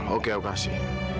oke aku kasih